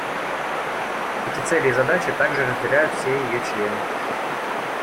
Эти цели и задачи также разделяют все ее члены.